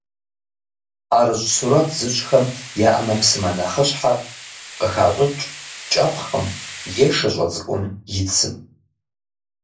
Ӏэрыщӏ сурэт зыщӏхэм я ӏэмэпсымэ нэхъыщхьэр къыхащӏыкӏ кӏэпхъым е шыщӏэ цӏыкум и цым.